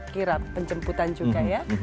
kirap penjemputan juga ya